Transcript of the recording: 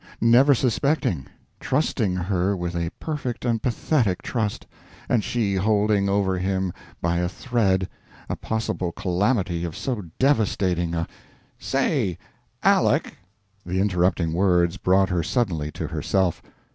Never suspecting trusting her with a perfect and pathetic trust, and she holding over him by a thread a possible calamity of so devastating a "Say Aleck?" The interrupting words brought her suddenly to herself.